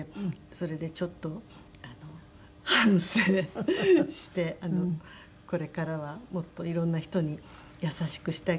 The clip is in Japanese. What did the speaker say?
それでちょっと反省してこれからはもっといろんな人に優しくして。